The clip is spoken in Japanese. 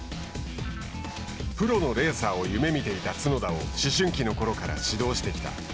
プロのレーサーを夢見ていた角田を思春期のころから指導してきた。